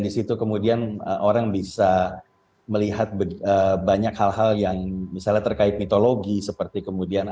di situ kemudian orang bisa melihat banyak hal hal yang misalnya terkait mitologi seperti kemudian